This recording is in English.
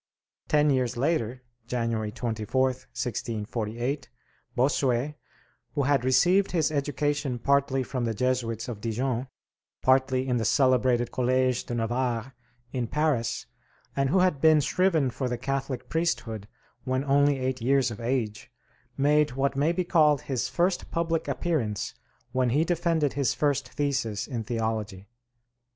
Ten years later (January 24th, 1648) Bossuet, who had received his education partly from the Jesuits of Dijon, partly in the celebrated Collège de Navarre in Paris, and who had been shriven for the Catholic priesthood when only eight years of age, made what may be called his first public appearance when he defended his first thesis in theology.